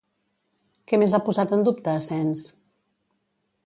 Què més ha posat en dubte Asens?